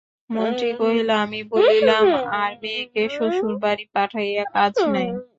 মন্ত্রী কহিল, আমি বলিলাম, আর মেয়েকে শ্বশুরবাড়ি পাঠাইয়া কাজ নাই।